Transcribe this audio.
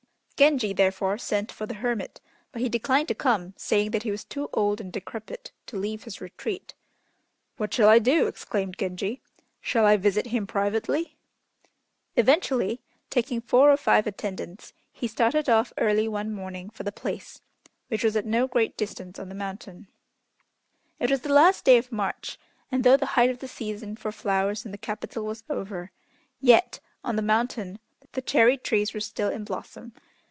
Genji, therefore, sent for the hermit, but he declined to come, saying that he was too old and decrepit to leave his retreat. "What shall I do?" exclaimed Genji, "shall I visit him privately?" Eventually, taking four or five attendants, he started off early one morning for the place, which was at no great distance on the mountain. It was the last day of March, and though the height of the season for flowers in the capital was over, yet, on the mountain, the cherry trees were still in blossom.